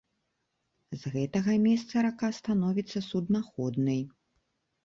З гэтага месца рака становіцца суднаходнай.